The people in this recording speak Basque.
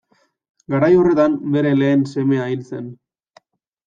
Garai horretan bere lehen semea hil zen.